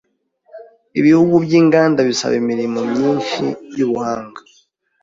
Ibihugu byinganda bisaba imirimo myinshi yubuhanga.